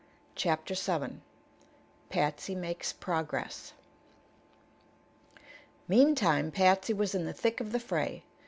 CHAPTER VII PATSY MAKES PROGRESS Meantime Patsy was in the thick of the fray.